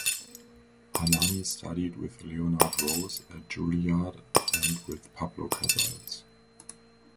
Hanani studied with Leonard Rose at Juilliard and with Pablo Casals.